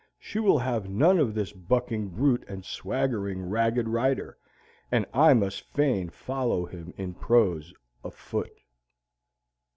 She will have none of this bucking brute and swaggering, ragged rider, and I must fain follow him in prose, afoot!